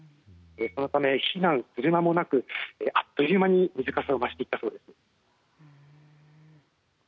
そのため避難するまもなくあっという間に水かさを増していったそうです。